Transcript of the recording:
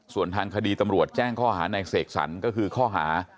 ส่วนทางคดีตำรวจแจ้งข้อหาในเสกสรรก็คือข้อหา